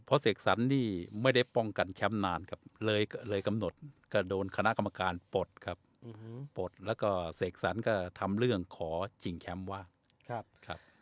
เพราะเสกสรรนี่ไม่ได้ป้องกันแชมป์นานครับเลยกำหนดก็โดนคณะกรรมการปลดครับปลดแล้วก็เสกสรรก็ทำเรื่องขอชิงแชมป์ว่าครับ